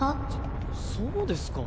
そそうですか？